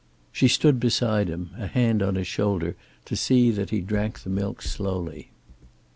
She stood beside him, a hand on his shoulder, to see that he drank the milk slowly.